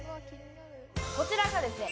こちらがですね